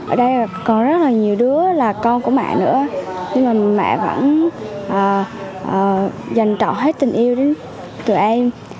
ở đây còn rất là nhiều đứa là con của mẹ nữa nhưng mà mẹ vẫn dành trọ hết tình yêu đến tụi em